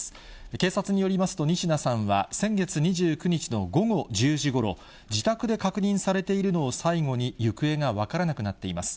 警察によりますと、仁科さんは、先月２９日の午後１０時ごろ、自宅で確認されているのを最後に行方が分からなくなっています。